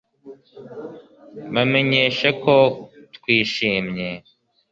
Bamenyeshe ko twishimye